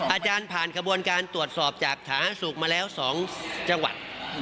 อาจารย์ผ่านกระบวนการตรวจสอบจากสาธารณสุขมาแล้ว๒จังหวัด